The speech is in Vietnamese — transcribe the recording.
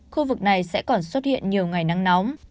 khu vực này sẽ còn xuất hiện nhiều ngày nắng nóng